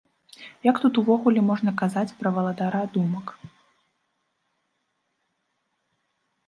Як тут увогуле можна казаць пра валадара думак?